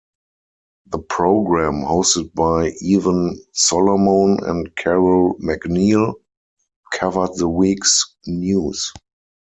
The program, hosted by Evan Solomon and Carole MacNeil, covered the week's news.